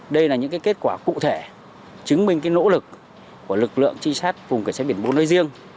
đây là những kết quả cụ thể chứng minh nỗ lực của lực lượng trinh sát vùng cảnh sát biển bốn nơi riêng